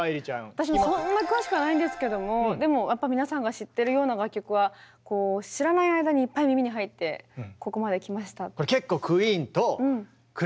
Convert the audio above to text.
私もそんな詳しくはないんですけどもでも皆さんが知ってるような楽曲は知らない間にいっぱい耳に入ってここまできました。